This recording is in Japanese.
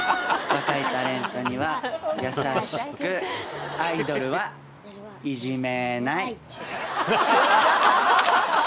「若いタレントには優しく」「アイドルは」「いじめない」